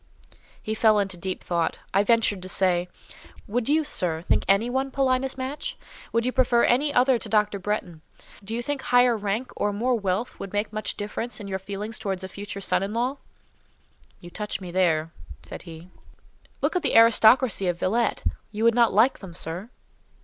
He fell into deep thought. I ventured to say, "Would you, sir, think any one Paulina's match? Would you prefer any other to Dr. Bretton? Do you think higher rank or more wealth would make much difference in your feelings towards a future son in law?" "You touch me there," said he. "Look at the aristocracy of Villette—you would not like them, sir?"